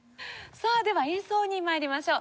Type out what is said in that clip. さあでは演奏に参りましょう。